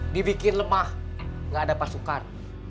dibikin lemah gak ada pasukan